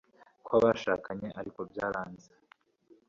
kwa bashakanye, ariko byaranze